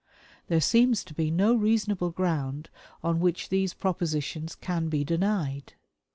There seems to be no reasonable ground on which these propositions can be denied.